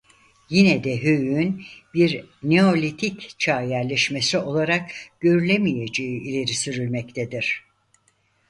Yine de höyüğün bir Neolitik Çağ yerleşmesi olarak görülemeyeceği ileri sürülmektedir.